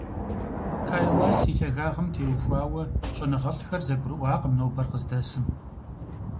Кайлас и лъагагъым теухуауэ щӀэныгъэлӀхэр зэгурыӀуакъым нобэр къыздэсым.